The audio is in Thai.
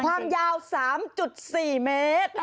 ความยาว๓๔เมตร